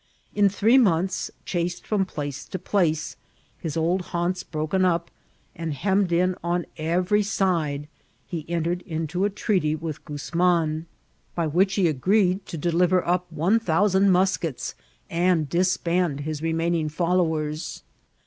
In three months, chased from place to place, his old haunts broken up, and hemmed in on every side, he entered into a treaty with GuznuuHf 944 ijroiDBHTi or tkatil. by wbieh he agreed to deliver «p one tbouBaod mue ket8| and dieband kie remaining followers.